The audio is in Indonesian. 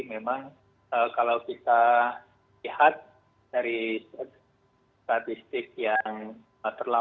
memang kalau kita lihat dari statistik yang terlalu